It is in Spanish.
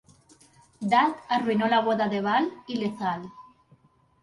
Dutt arruinó la boda de Val y Lethal.